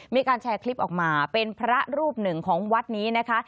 มีการแชร์คลิปออกมาเป็นพระรูปหนึ่งของวัดนี้นะคะ